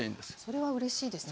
それはうれしいですね。